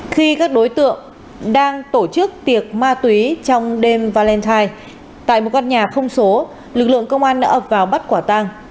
khi các đối tượng đang tổ chức tiệc ma túy trong đêm valentine tại một con nhà không số lực lượng công an đã ập vào bắt quả tang